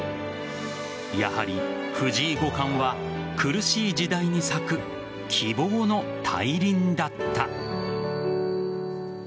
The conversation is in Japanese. やはり藤井五冠は苦しい時代に咲く希望の大輪だった。